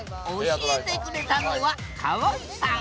教えてくれたのは河合さん。